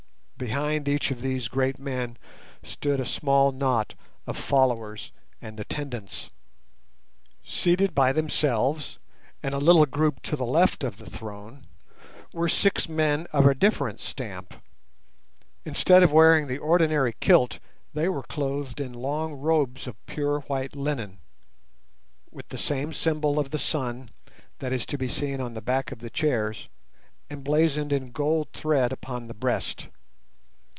Behind each of these great men stood a small knot of followers and attendants. Seated by themselves, in a little group to the left of the throne, were six men of a different stamp. Instead of wearing the ordinary kilt, they were clothed in long robes of pure white linen, with the same symbol of the sun that is to be seen on the back of the chairs, emblazoned in gold thread upon the breast.